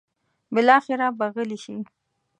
بالاخره به غلې شي.